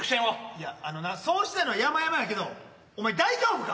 いやあのなそうしたいのはやまやまやけどお前大丈夫か？